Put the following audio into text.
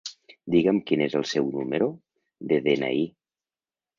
Diga'm quin és el seu número de de-ena-i.